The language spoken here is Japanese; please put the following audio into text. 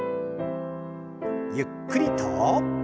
ゆっくりと。